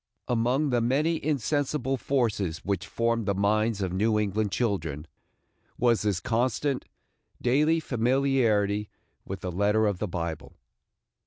Among the many insensible forces which formed the minds of New England children, was this constant, daily familiarity with the letter of the Bible.